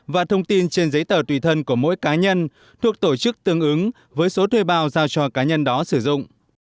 và thông tin trên giấy tờ tùy thân của mỗi cá nhân thuộc tổ chức tương ứng với số thuê bao giao cho cá nhân đó sử dụng